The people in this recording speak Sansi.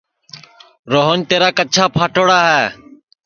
روہن تیرا کچھا پھاٹوڑا ہے